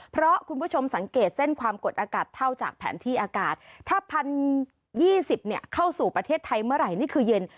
เพราะคุณผู้ชมสังเกตเส้นความกดอากาศเท่าจากแผนที่อากาศถ้า๑๐๒๐เข้าสู่ประเทศไทยเมื่อไหร่นี่คือเย็น